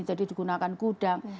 jadi digunakan gudang